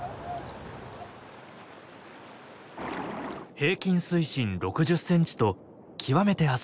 平均水深６０センチと極めて浅いウトナイ湖。